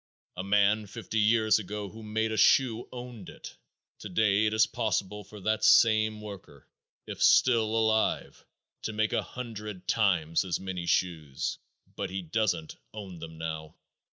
A man fifty years ago who made a shoe owned it. Today it is possible for that same worker, if still alive, to make a hundred times as many shoes, but he doesn't own them now.